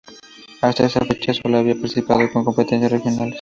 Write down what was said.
Hasta esa fecha solo había participado en competencias regionales.